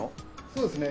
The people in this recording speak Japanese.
そうですね。